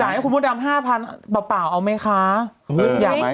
จ่ายให้คุณมดดำ๕๐๐๐บ่าเอาไหมคะ